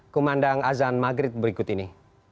kumandang azan maghrib berikut ini